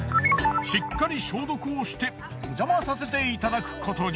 しっかり消毒をしておじゃまさせていただくことに。